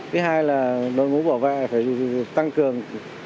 thứ hai là đội ngũ bảo vệ phải tăng cường